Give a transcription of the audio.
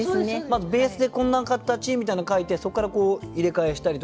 まずベースでこんな形みたいのを書いてそこから入れ替えしたりとか。